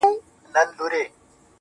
o دا ستا د سترگو په كتاب كي گراني .